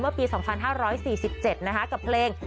เมื่อปี๒๕๔๗นะฮะกับเพลง